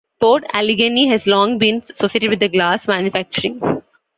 Port Allegany has long been associated with glass manufacturing.